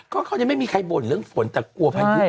ก็เขาก็ยังไม่มีใครบ่นเรื่องฝนแต่กลัวภายุมันแรง